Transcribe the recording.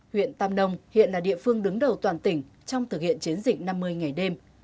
huyện tam nông hiện là địa phương đứng đầu toàn tỉnh trong thực hiện chiến dịch năm mươi ngày đêm